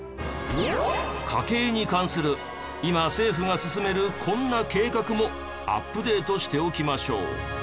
家計に関する今政府が進めるこんな計画もアップデートしておきましょう。